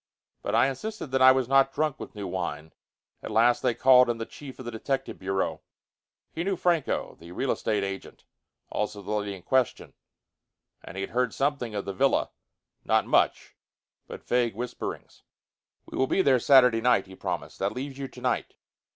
But I insisted that I was not drunk with new wine. At last, they called in the chief of the detective bureau. He knew Franco, the real estate agent; also the lady in question. And he had heard something of the villa; not much, but vague whisperings. "We will be there Saturday night," he promised. "That leaves you tonight.